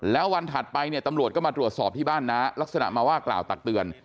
แล้ววันถัดไปเนี่ยตำรวจก็มาตรวจสอบที่บ้านน้าลักษณะมาว่ากล่าวตักเตือน